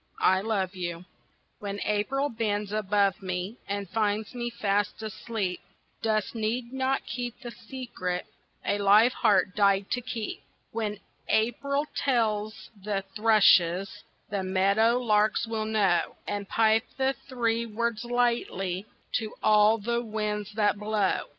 "I Love You" When April bends above me And finds me fast asleep, Dust need not keep the secret A live heart died to keep. When April tells the thrushes, The meadow larks will know, And pipe the three words lightly To all the winds that blow.